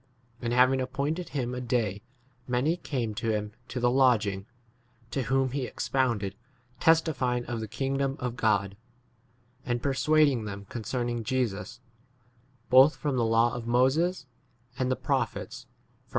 And having appointed him a day many came to him to the lodging, to whom he expounded, testifying of the kingdom of God, and per suading them 1 concerning Jesus, & Literally 'men brethren.'